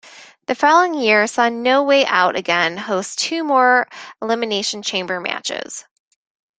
The following year saw No Way Out again host two more Elimination Chamber matches.